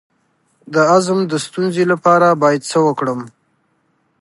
د هضم د ستونزې لپاره باید څه وکړم؟